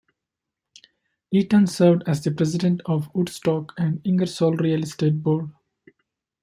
Eaton served as the President of Woodstock and Ingersoll Real Estate Board.